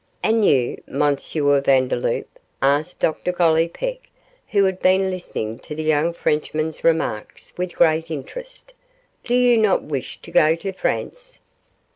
'And you, M. Vandeloup?' asked Dr Gollipeck, who had been listening to the young Frenchman's remarks with great interest; 'do you not wish to go to France?